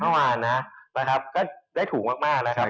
เมื่อวานนะก็ได้ถูกมากแล้วครับ